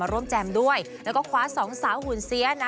แจมด้วยแล้วก็คว้าสองสาวหุ่นเสียนะ